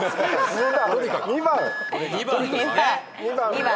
２番。